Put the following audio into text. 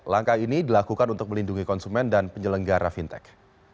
langkah ini dilakukan untuk melindungi konsumen dan penyelenggara fintech